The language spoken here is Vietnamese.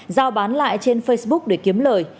giao bán lại trên facebook để kiếm lời